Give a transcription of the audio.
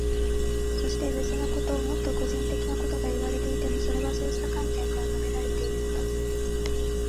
そして、別なこと、もっと個人的なことがいわれていても、それはそうした観点から述べられているのだ。